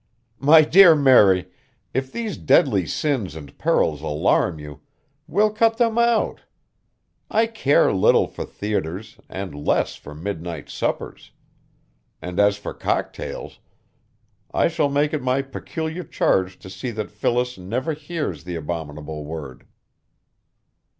"My dear Mary, if these deadly sins and perils alarm you, we'll cut them out. I care little for theatres, and less for midnight suppers. And as for cocktails, I shall make it my peculiar charge to see that Phyllis never hears the abominable word.